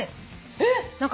え！？